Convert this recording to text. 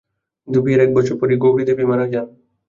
কিন্তু বিয়ের এক বছর পরই গৌরী দেবী মারা যান।